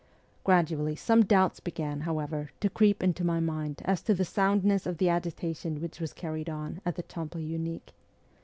' Gradually some doubts began, however, to creep into my mind as to the soundness of the agitation which was carried on at the Temple Unique.